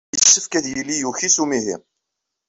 Yessefk ad yili yuki s umihi.